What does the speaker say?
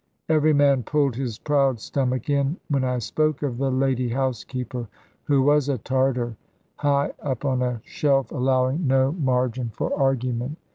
Every man pulled his proud stomach in, when I spoke of the lady housekeeper, who was a Tartar, high up on a shelf, allowing no margin for argument.